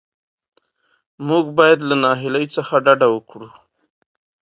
موږ باید له ناهیلۍ څخه ډډه وکړو.